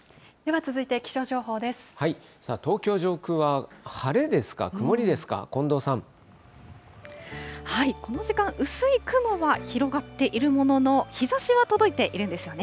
東京上空は晴れですか、この時間、薄い雲は広がっているものの、日ざしは届いているんですよね。